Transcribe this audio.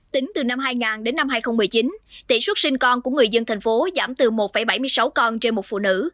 tính từ năm hai nghìn đến năm hai nghìn một mươi chín tỷ suất sinh con của người dân thành phố giảm từ một bảy mươi sáu con trên một phụ nữ